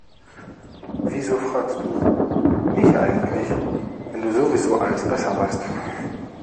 Wieso fragst du mich eigentlich, wenn du sowieso alles besser weißt?